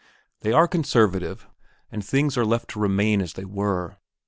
They are conservative and things are left to remain as they were.